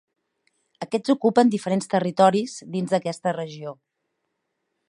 Aquests ocupen diferents territoris dins d'aquesta regió.